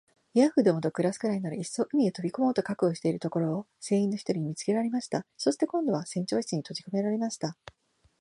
ヤーフどもと暮すくらいなら、いっそ海へ飛び込もうと覚悟しているところを、船員の一人に見つけられました。そして、今度は船長室にとじこめられました。